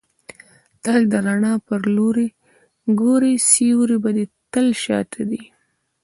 تل د رڼا پر لوري ګورئ! سیوری به دي تل شاته يي.